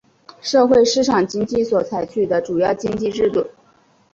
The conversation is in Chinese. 社会市场经济所采取的主要经济制度。